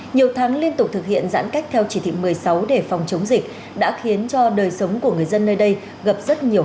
nhiều tháng liên tục thực hiện giãn cách theo chỉ thị một mươi sáu để phòng chống dịch đã khiến cho đời sống của người dân nơi đây gặp rất nhiều